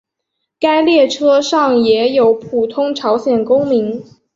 该列车上也有普通朝鲜公民。